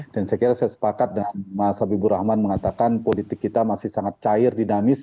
dan saya kira saya sepakat dengan mas habibur rahman mengatakan politik kita masih sangat cair dinamis